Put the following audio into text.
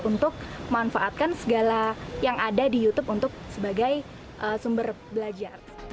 untuk memanfaatkan segala yang ada di youtube untuk sebagai sumber belajar